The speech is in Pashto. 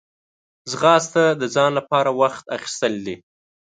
ځغاسته د ځان لپاره وخت اخیستل دي